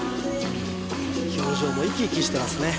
表情も生き生きしてますね